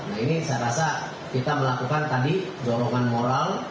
nah ini saya rasa kita melakukan tadi dorongan moral